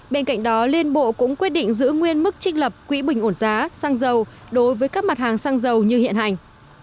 bên cạnh đó liên bộ cũng quyết định giữ nguyên mức trích lập quỹ bình ổn giá xăng dầu đối với các mặt hàng xăng dầu như hiện hành